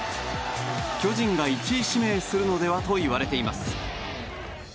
巨人が１位指名するのではといわれています。